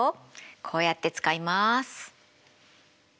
こうやって使います。